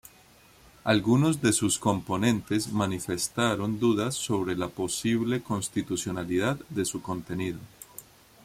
Algunos de sus componentes manifestaron dudas sobre la posible constitucionalidad de su contenido.